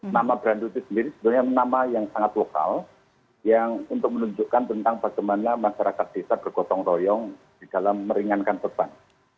nama berandu itu sendiri sebenarnya nama yang sangat lokal yang untuk menunjukkan tentang bagaimana masyarakat desa bergotong royong di dalam meringankan beban